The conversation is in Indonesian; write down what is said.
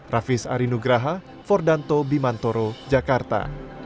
rafis arinugraha fordanto bimantoro jakarta